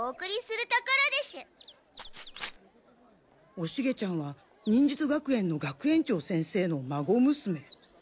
おシゲちゃんは忍術学園の学園長先生の孫娘。